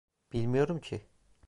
Bilmiyorum ki.